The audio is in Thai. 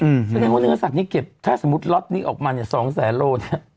เพราะฉะนั้นเนื้อสัตว์นี้เก็บถ้าสมมุติล็อตนี้ออกมา๒แสนโลเนี่ย